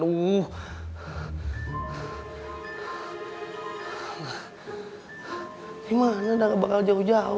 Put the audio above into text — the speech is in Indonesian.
dimana gak bakal jauh jauh